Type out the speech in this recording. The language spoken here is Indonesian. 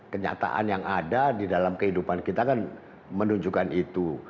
kenyataan yang ada di dalam kehidupan kita kan menunjukkan itu